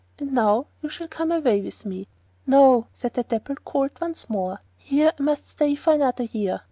But now you shall come away with me.' 'No,' said the dappled Colt once more; 'here I must stay for another year.